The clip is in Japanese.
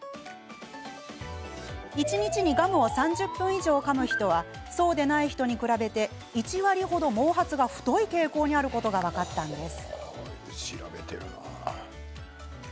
一日にガムを３０分以上かむ人はそうでない人に比べて１割程、毛髪が太い傾向にあることが分かったんです。